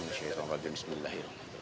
bismillah ya allah